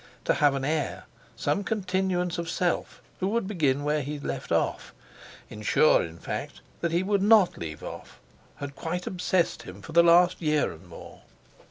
To have an heir, some continuance of self, who would begin where he left off—ensure, in fact, that he would not leave off—had quite obsessed him for the last year and more.